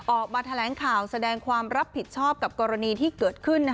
ออกมาแถลงข่าวแสดงความรับผิดชอบกับกรณีที่เกิดขึ้น